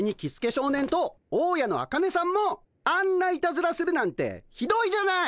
少年と大家のアカネさんもあんないたずらするなんてひどいじゃない！